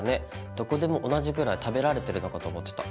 どこでも同じぐらい食べられてるのかと思ってた。